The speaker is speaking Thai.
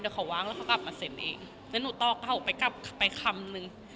เดี๋ยวเขาวางแล้วเขากลับมาเซ็นเองแล้วหนูต่อเขาไปกลับไปคำนึง